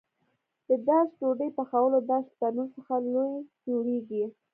د داش ډوډۍ پخولو داش له تنور څخه لوی جوړېږي.